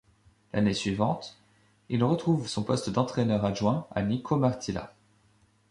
L'année suivante, il retrouve son poste d'entraineur adjoint à Niko Martilla.